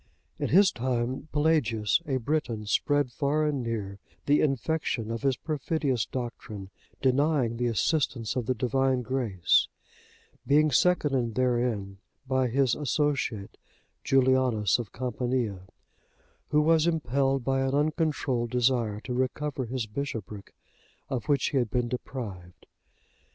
In his time, Pelagius,(64) a Briton, spread far and near the infection of his perfidious doctrine, denying the assistance of the Divine grace, being seconded therein by his associate Julianus of Campania,(65) who was impelled by an uncontrolled desire to recover his bishopric, of which he had been deprived.